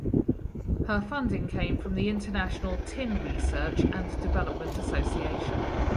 Her funding came from the International Tin Research and Development Association.